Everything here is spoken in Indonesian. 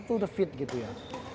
itu udah fit gitu ya